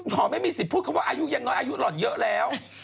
ขอไม่มีสิทธิ์พูดคำว่าอายุยังน้อยอายุหล่อนเยอะแล้ว